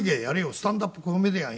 「スタンダップコメディアン